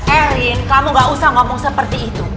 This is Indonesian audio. erin kamu gak usah ngomong seperti itu